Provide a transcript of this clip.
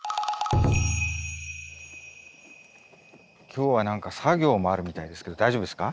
今日は何か作業もあるみたいですけど大丈夫ですか？